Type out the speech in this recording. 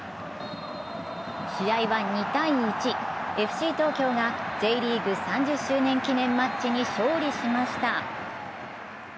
試合は２−１、ＦＣ東京がＪリーグ３０周年記念マッチに勝利しました。